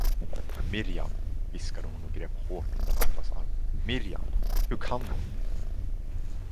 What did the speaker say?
Mirjam, viskade hon och grep hårt om den andras arm, Mirjam, hur kan hon?